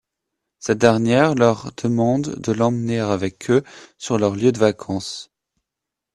Cette dernière leur demande de l'emmener avec eux sur leur lieu de vacances.